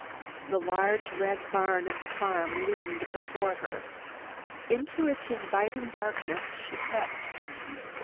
The large red barn of the farm loomed before her. Into its inviting darkness she crept.